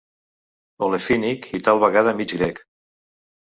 Olefínic i tal vegada mig grec.